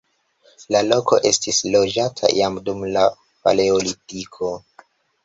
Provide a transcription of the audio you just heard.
La loko estis loĝata jam dum la paleolitiko.